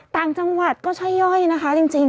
ต่างจังหวัดก็ใช่ย่อยนะคะจริง